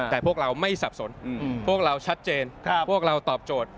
แต่พวกเราไม่สับสนพวกเราชัดเจนพวกเราตอบโจทย์